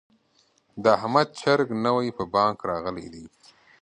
د احمد چرګ نوی په بانګ راغلی دی.